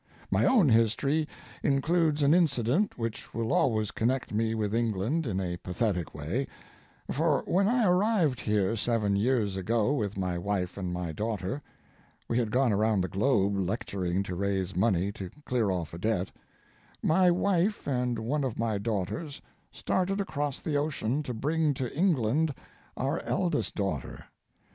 My own history includes an incident which will always connect me with England in a pathetic way, for when I arrived here seven years ago with my wife and my daughter—we had gone around the globe lecturing to raise money to clear off a debt—my wife and one of my daughters started across the ocean to bring to England our eldest daughter.